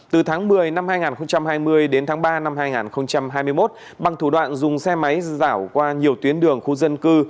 từ tháng một mươi năm hai nghìn hai mươi đến tháng ba năm hai nghìn hai mươi một bằng thủ đoạn dùng xe máy giảo qua nhiều tuyến đường khu dân cư